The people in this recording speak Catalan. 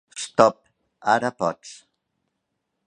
Stop! Ara pots.